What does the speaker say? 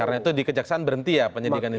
karena itu dikejaksaan berhenti ya penyidikan ini